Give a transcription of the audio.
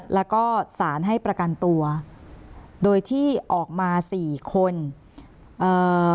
แล้วก็สารให้ประกันตัวโดยที่ออกมาสี่คนเอ่อ